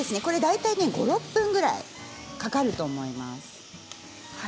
大体５、６分ぐらいかかると思います。